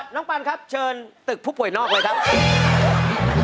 ปันครับเชิญตึกผู้ป่วยนอกเลยครับ